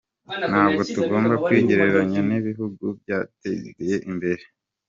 Ntabwo tugomba kwigereranya n’ibihugu byateye imbere.